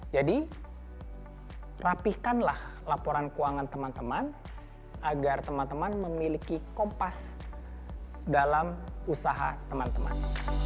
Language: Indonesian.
jadi rapihkanlah laporan keuangan teman teman agar teman teman memiliki kompas dalam usaha teman teman